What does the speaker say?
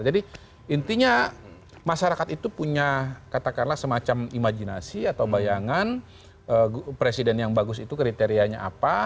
jadi intinya masyarakat itu punya katakanlah semacam imajinasi atau bayangan presiden yang bagus itu kriterianya apa